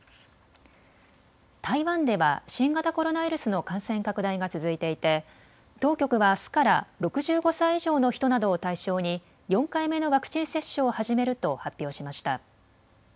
台湾では新型コロナウイルスの感染拡大が続いていて当局はあすから６５歳以上の人などを対象に４回目のワクチン接種を始めると発表しました。